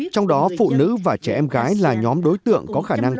trong đó phụ nữ và trẻ em gái là nhóm đối tượng có khả năng trở lại